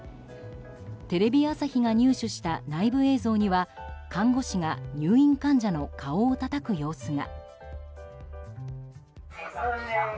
テレビ朝日が入手した内部映像には看護師が入院患者の顔をたたく様子が。